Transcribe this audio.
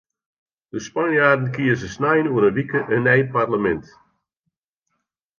De Spanjaarden kieze snein oer in wike in nij parlemint.